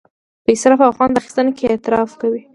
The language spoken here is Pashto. په اسراف او خوند اخیستنه کې افراط کوي.